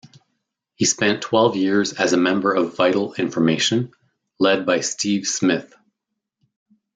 He spent twelve years as a member of Vital Information, led by Steve Smith.